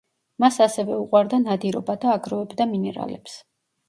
მას ასევე უყვარდა ნადირობა და აგროვებდა მინერალებს.